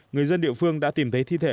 người dân địa phương đã tìm thấy thi thể